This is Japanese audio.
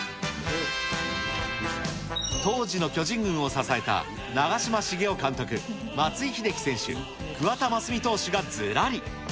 当時の巨人軍を支えた長嶋茂雄監督、松井秀喜選手、桑田真澄投手がずらり。